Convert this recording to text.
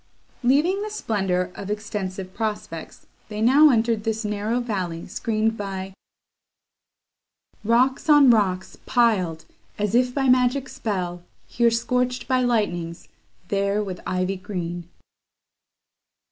Leaving the splendour of extensive prospects, they now entered this narrow valley screened by Rocks on rocks piled, as if by magic spell, Here scorch'd by lightnings, there with ivy green.